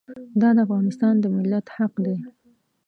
دا د افغانستان د ملت حق دی.